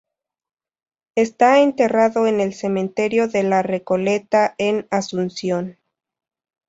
Está enterrado en el Cementerio de la Recoleta, en Asunción.